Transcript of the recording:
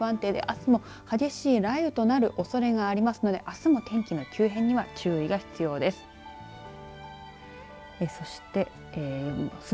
非常に不安定で、あすも激しい雷雨となるおそれがありますのであすも天気の急変には注意が必要です。